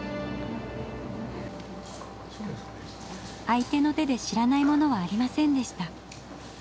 相手の手で知らないものはありませんでした。